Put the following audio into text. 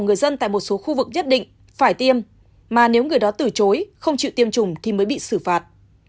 người dân tại một số khu vực nhất định phải tiêm mà nếu người đó từ chối không chịu tiêm chủng thì mới bị xử phạt